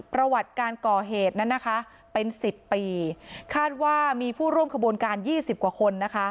ประวัติการก่อเหตุนั้นนะคะเป็น๑๐ปีคาดว่ามีผู้ร่วมขบวนการ๒๐กว่าคนนะคะ